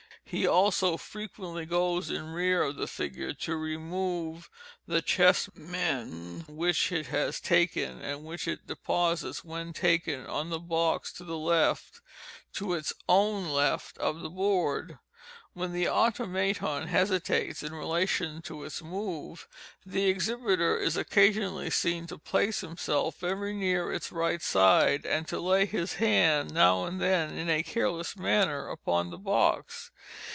He also frequently goes in rear of the figure to remove the chess men which it has taken, and which it deposits, when taken, on the box to the left (to its own left) of the board. When the Automaton hesitates in relation to its move, the exhibiter is occasionally seen to place himself very near its right side, and to lay his hand, now and then, in a careless manner upon the box.